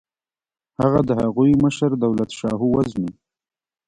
هغه د هغوی مشر دولتشاهو وژني.